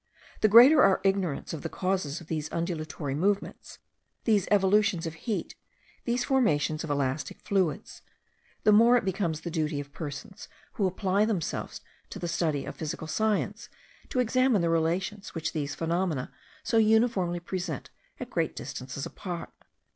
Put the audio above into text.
The greater our ignorance of the causes of these undulatory movements, these evolutions of heat, these formations of elastic fluids, the more it becomes the duty of persons who apply themselves to the study of physical science to examine the relations which these phenomena so uniformly present at great distances apart.